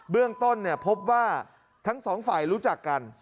เรื่องต้นพบว่าทั้งสองฝ่ายรู้จักกัน